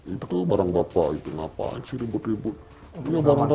itu barang bapak itu ngapain sih ribut ribut